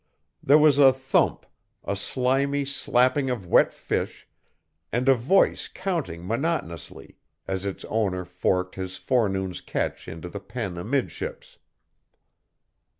There was a thump, a slimy slapping of wet fish, and a voice counting monotonously as its owner forked his forenoon's catch into the pen amidships.